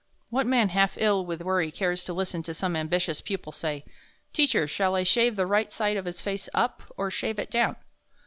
What man half ill with worry cares to listen to some ambitious pupil say, 'Teacher, shall I shave the right side of his face up, or shave it down?'